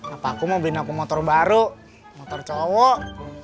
apa aku mau beli aku motor baru motor cowok